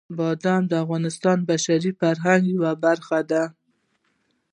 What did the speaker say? بادام د افغانستان د بشري فرهنګ یوه برخه ده.